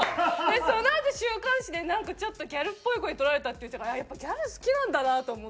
そのあと週刊誌でなんかちょっとギャルっぽい子に撮られたって言ってたからやっぱギャル好きなんだなと思って。